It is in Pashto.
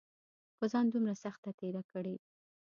پۀ ځان دومره سخته تېره کړې